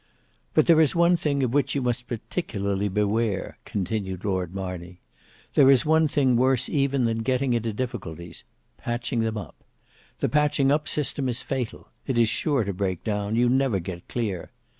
"But there is one thing of which you must particularly beware," continued Lord Marney, "there is one thing worse even than getting into difficulties—patching them up. The patching up system is fatal; it is sure to break down; you never get clear.